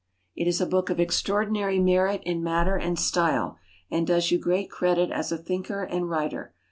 It is a book of extraordinary merit in matter and style, and does you great credit as a thinker and writer.